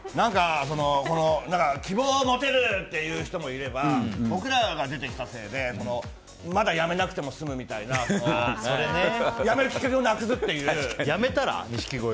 希望が持てるという人もいれば僕らが出てきたせいでまだ辞めなくても済むみたいなやめるきっかけをなくすっていう。